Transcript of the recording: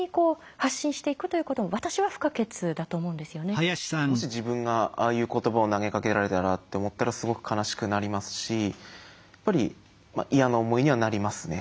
本来であればもし自分がああいう言葉を投げかけられたらって思ったらすごく悲しくなりますしやっぱり嫌な思いにはなりますね。